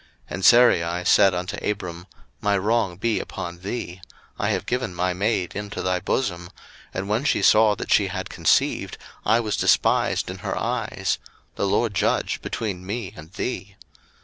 01:016:005 And Sarai said unto Abram, My wrong be upon thee: I have given my maid into thy bosom; and when she saw that she had conceived, I was despised in her eyes: the LORD judge between me and thee.